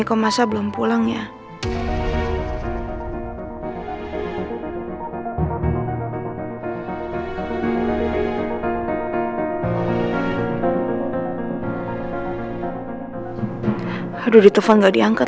uber lazarnya cuma oke